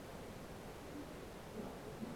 该快速通道在广汉处和成绵高速公路相连接。